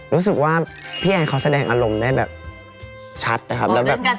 รู้สึกว่าพี่แอนเขาแสดงอารมณ์ได้แบบชัดนะครับแล้วแบบ